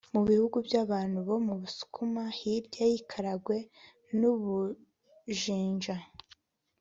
mu bihugu by’abantu bo mu busukuma hirya y’ikaragwe n’u bujinja,